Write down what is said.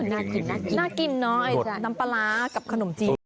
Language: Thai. น่ากินน่อยน้ำปลาร้ากับขนมจีน